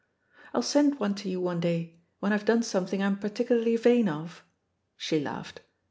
I'll send one to you one day, when I've done some thing I'm particularly vain of.'* She laughed.